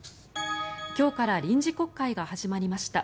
今日から臨時国会が始まりました。